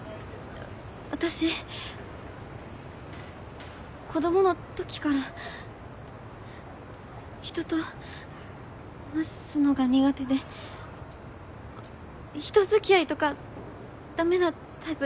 私子供のときから人と話すのが苦手で人付き合いとか駄目なタイプで。